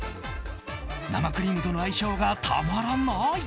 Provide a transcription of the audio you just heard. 生クリームとの相性がたまらない